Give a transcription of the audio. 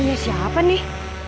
punya siapa nih